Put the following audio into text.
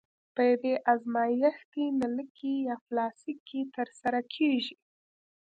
په یوې ازمایښتي نلکې یا فلاسک کې ترسره کیږي.